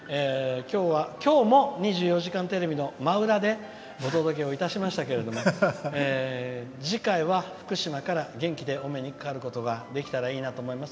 きょうも「２４時間テレビ」の真裏でお届けをしましたけれど次回は福島から元気でお目にかかることができたらいいなと思います。